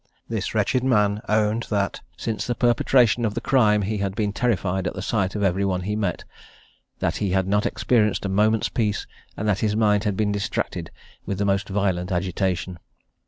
This wretched man owned that since the perpetration of the crime he had been terrified at the sight of every one he met, that he had not experienced a moment's peace, and that his mind had been distracted with the most violent agitation.